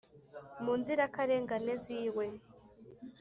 mu nzirakarengane ziwe